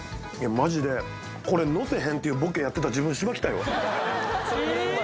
マジでこれのせへんっていうボケやってた自分しばきたいわそれぐらいうまい？